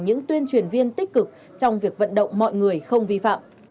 những tuyên truyền viên tích cực trong việc vận động mọi người không vi phạm